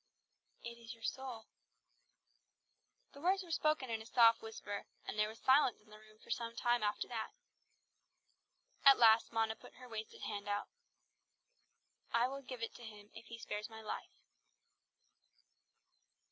"It is your soul." The words were spoken in a soft whisper, and there was silence in the room for some time after that. At last Mona put her wasted hand out. "I will give it to Him, if He spares my life."